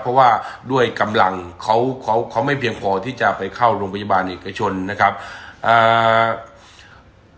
เพราะว่าด้วยกำลังเขาเขาไม่เพียงพอที่จะไปเข้าโรงพยาบาลเอกชนนะครับอ่า